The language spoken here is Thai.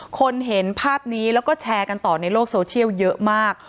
เห็นภาพนี้แล้วก็แชร์กันต่อในโลกโซเชียลเยอะมาก